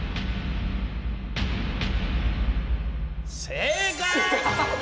正解！